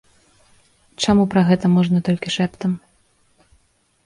Чаму пра гэта можна толькі шэптам?